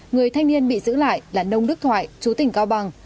người thanh niên bị giữ lại là nông đức thoại chú tỉnh cao bằng